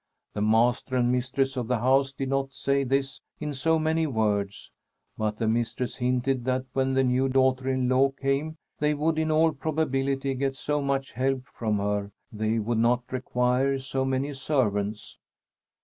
The master and mistress of the house did not say this in so many words, but the mistress hinted that when the new daughter in law came, they would in all probability get so much help from her they would not require so many servants.